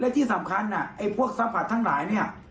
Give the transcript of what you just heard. และที่สำคัญไอ้พวกซัพพอร์ตทั้งหลายเนี่ย